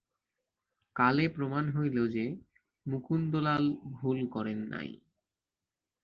কালে প্রমাণ হইল যে, মুকুন্দলাল ভুল করেন নাই।